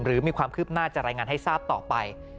หรือมีความคืบหน้าจะรายงานให้ทราบต่อไป